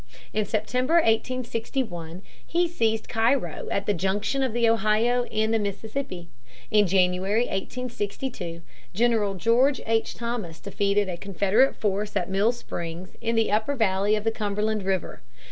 In September, 1861, he seized Cairo at the junction of the Ohio and the Mississippi. In January, 1862, General George H. Thomas defeated a Confederate force at Mill Springs, in the upper valley of the Cumberland River.